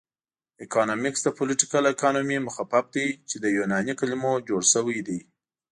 اکنامکس د پولیټیکل اکانومي مخفف دی چې له یوناني کلمو جوړ شوی دی